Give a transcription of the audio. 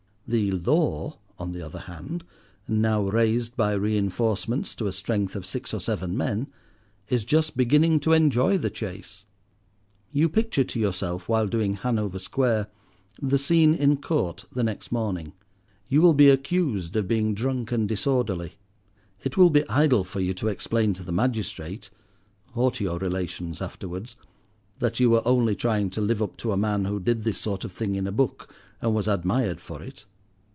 The "Law," on the other hand, now raised by reinforcements to a strength of six or seven men, is just beginning to enjoy the chase. You picture to yourself, while doing Hanover Square, the scene in Court the next morning. You will be accused of being drunk and disorderly. It will be idle for you to explain to the magistrate (or to your relations afterwards) that you were only trying to live up to a man who did this sort of thing in a book and was admired for it.